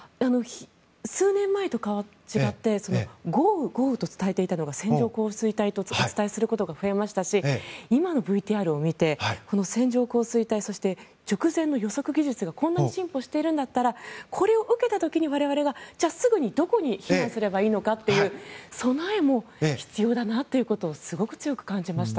数年前と違って豪雨、豪雨と伝えていたのが線状降水帯とお伝えすることが増えましたし今のＶＴＲを見て、線状降水帯そして直前の予測技術がこんなに進歩しているんだったらこれを受けた時に我々はすぐにどこに避難すればいいのかという備えも必要だなということをすごく強く感じました。